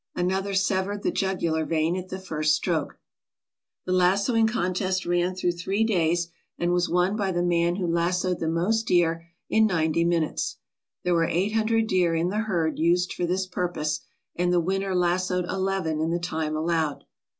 Another severed the jugular vein at the first stroke. The lassoing contest ran through three days, and was won by the man who lassoed the most deer in ninety minutes. There were eight hundred deer in the herd used for this purpose, and the winner lassoed eleven in the time allowed.